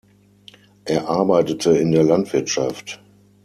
Er arbeitete in der Landwirtschaft.